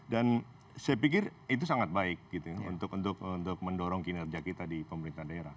dan saya pikir itu sangat baik untuk mendorong kinerja kita di pemerintah daerah